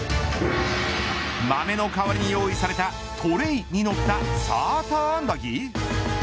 豆の代わりに用意されたトレーに乗ったサーターアンダギー。